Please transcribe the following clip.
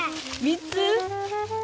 ３つ。